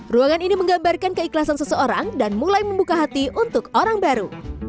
ruangan ini menggambarkan keikhlasan seseorang dan mulai membuka hati untuk orang baru